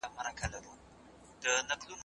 د بل د لاري مله نه راځي خوبونه